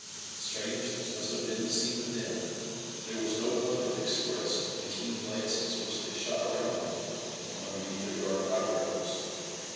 Strange as must have been the scene to them, there was no wonder expressed in the keen glances which they shot around them from underneath their dark eyebrows.